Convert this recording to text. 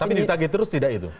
tapi ditagi terus tidak itu